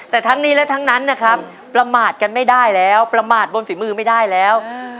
แต่ทั้งนี้และทั้งนั้นนะครับประมาทกันไม่ได้แล้วประมาทบนฝีมือไม่ได้แล้ว